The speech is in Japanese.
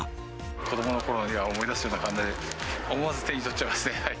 子どものころを思い出すような感じで、思わず手に取っちゃいますね。